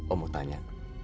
om mau tanya